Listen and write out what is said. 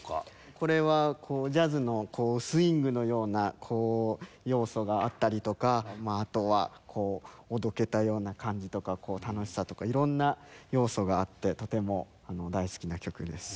これはジャズのスウィングのような要素があったりとかあとはこうおどけたような感じとか楽しさとか色んな要素があってとても大好きな曲です。